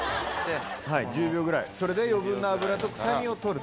はい１０秒ぐらいそれで余分な脂と臭みを取ると。